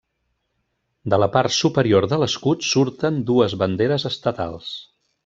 De la part superior de l'escut surten dues banderes estatals.